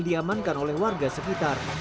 diamankan oleh warga sekitar